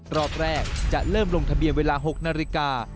รอบแรกจะเริ่มลงทะเบียนเวลา๖นาฬิกา